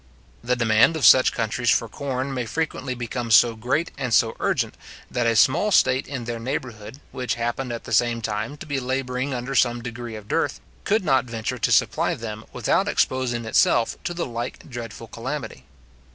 The demand of such countries for corn may frequently become so great and so urgent, that a small state in their neighbourhood, which happened at the same time to be labouring under some degree of dearth, could not venture to supply them without exposing itself to the like dreadful calamity.